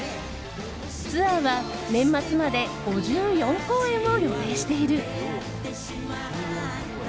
ツアーは年末まで５４公演を予定している。